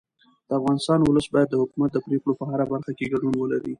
د افغانستان ولس باید د حکومت د پرېکړو په هره برخه کې ګډون ولري